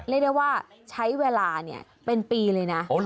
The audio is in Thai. เรียกได้ว่าใช้เวลาเป็นปีเลยนะ